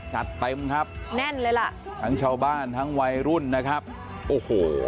จัดเต็มครับแน่นเลยล่ะทั้งชาวบ้านทั้งวัยรุ่นนะครับโอ้โห